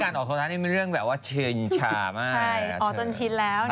การออกโทรธันี้มันเรื่องจนชามาก